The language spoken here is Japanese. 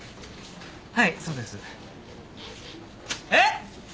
はいそうです。えっ？